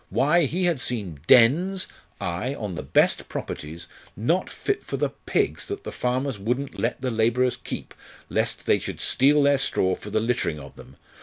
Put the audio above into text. Why, he had seen dens aye, on the best properties not fit for the pigs that the farmers wouldn't let the labourers keep, lest they should steal their straw for the littering of them!